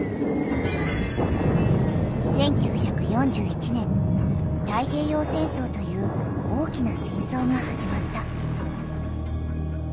１９４１年太平洋戦争という大きな戦争がはじまった。